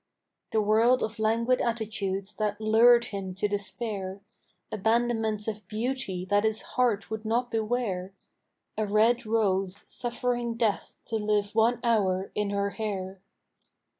The world of languid attitudes that lured him to despair; Abandonments of beauty that his heart would not beware A red rose suffering death to live one hour in her hair.